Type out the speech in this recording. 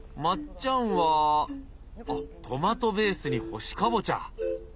まっちゃんはあっトマトベースに干しカボチャ。